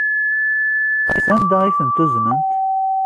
Sanda ay tent-uznent?